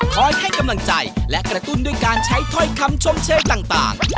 ให้กำลังใจและกระตุ้นด้วยการใช้ถ้อยคำชมเชยต่าง